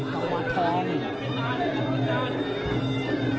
กวาทธอง